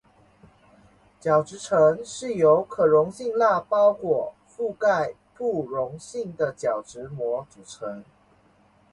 角质层是由可溶性蜡包裹覆盖不溶性的角质膜组成。